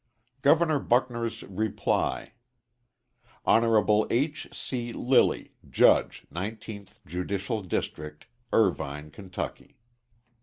Governor Buckner's Reply. Hon. H. C. Lilly, Judge 19th Judicial District, Irvine, Kentucky.